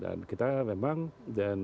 dan kita memang dan